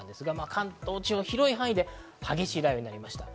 関東地方、広い範囲で激しい雷雨となりました。